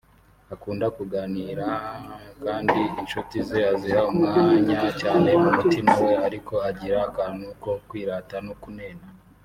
akunda kuganira kandi inshuti ze aziha umwanya cyane mu mutima we ariko agira akantu ko kwirata no kunena